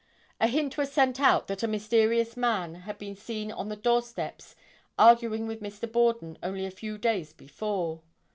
A hint was sent out that a mysterious man had been seen on the doorsteps arguing with Mr. Borden only a few days before.